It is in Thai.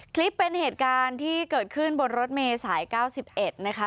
คลิปเป็นเหตุการณ์ที่เกิดขึ้นบนรถเมย์สาย๙๑นะคะ